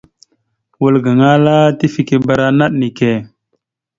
Wal gaŋa ala : tifekeberánaɗ neke.